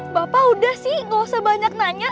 bapak udah sih gak usah banyak nanya